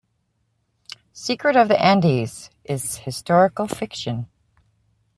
"Secret of the Andes" is historical fiction.